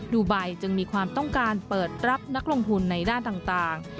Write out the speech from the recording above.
ดูไบจึงมีความต้องการเปิดรับนักลงทุนในด้านต่าง